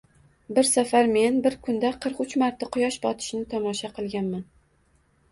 Bir safar men bir kunda qirq uch marta quyosh botishini tomosha qilganman!